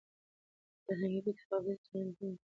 فرهنګي بې تفاوتي د ټولنې د فکري مرګ په مانا ده.